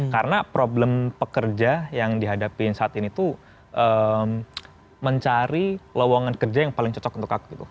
karena problem pekerja yang dihadapi saat ini tuh mencari lowongan kerja yang paling cocok untuk aku gitu